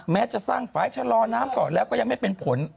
แม้จะสร้างฝ่ายชะลอน้ำก่อนแล้วก็ยังไม่เป็นผล